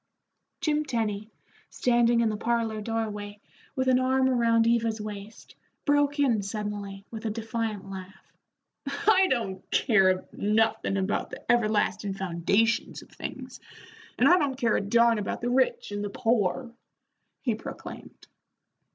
Jim Tenny, standing in the parlor doorway, with an arm around Eva's waist, broke in suddenly with a defiant laugh. "I don't care nothin' about the everlastin' foundations of things, and I don't care a darn about the rich and the poor," he proclaimed.